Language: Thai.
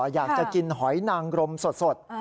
อยากจะกินหอยนางรมสด